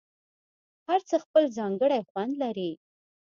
هر څه خپل ځانګړی خوند لري.